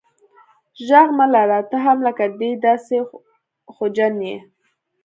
ږغ مه لره ته هم لکه دی داسي خوجن یې.